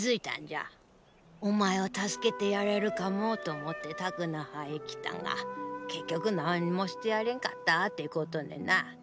お前を助けてやれるかもと思ってタクナハへ来たが結局何にもしてやれんかったってことにな。